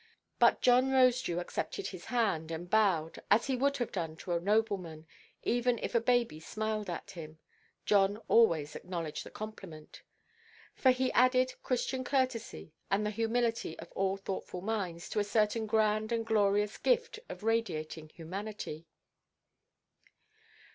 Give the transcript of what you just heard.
But John Rosedew accepted his hand, and bowed, as he would have done to a nobleman. Even if a baby smiled at him, John always acknowledged the compliment. For he added Christian courtesy, and the humility of all thoughtful minds, to a certain grand and glorious gift of radiating humanity.